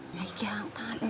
masih bicanda aja